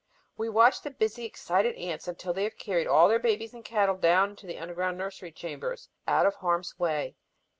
We watch the busy, excited ants until they have carried all their babies and cattle down into the underground nursery chambers, out of harm's way.